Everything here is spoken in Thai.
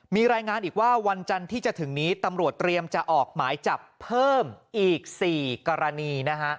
มีรายงานอีกว่าวันจันทร์ที่จะถึงนี้ตำรวจเตรียมจะออกหมายจับเพิ่มอีก๔กรณีนะฮะ